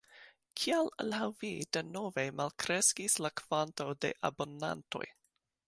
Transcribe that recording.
Kial laŭ vi denove malkreskis la kvanto de abonantoj?